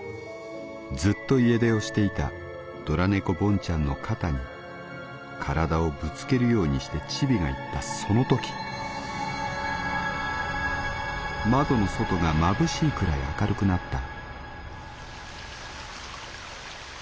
ずっと家出をしていたどら猫ボンちゃんの肩に体をぶつけるようにしてチビが言ったその時窓の外がまぶしいくらい明るくなった」。